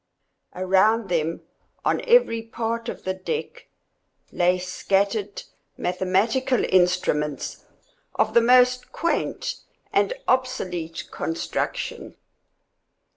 Around them, on every part of the deck, lay scattered mathematical instruments of the most quaint and obsolete construction.